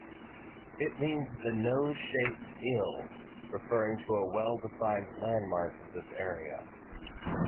It means 'the nose-shaped hill' referring to a well-defined landmark of this area.